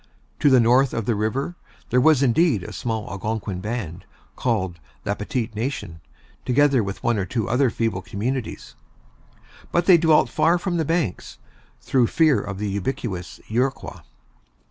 To the north of the river there was indeed a small Algonquin band, called La Petite Nation, together with one or two other feeble communities; but they dwelt far from the banks, through fear of the ubiquitous Iroquois.